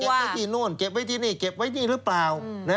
ไว้ที่โน่นเก็บไว้ที่นี่เก็บไว้นี่หรือเปล่า